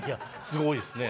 すごいですね。